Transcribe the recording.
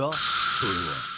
それは。